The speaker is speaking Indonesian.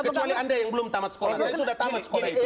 kecuali anda yang belum tamat sekolah saya sudah tamat sekolah itu